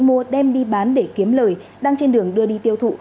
mua đem đi bán để kiếm lời đang trên đường đưa đi tiêu thụ